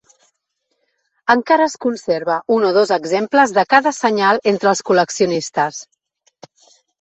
Encara es conserva un o dos exemples de cada senyal entre els col·leccionistes.